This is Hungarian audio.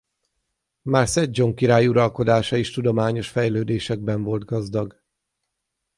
Már Szedzsong király uralkodása is tudományos fejlődésekben volt gazdag.